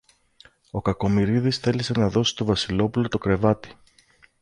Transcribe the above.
Ο Κακομοιρίδης θέλησε να δώσει στο Βασιλόπουλο το κρεβάτι.